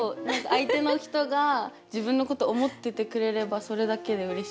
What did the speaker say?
相手の人が自分のこと思っててくれればそれだけでうれしいから。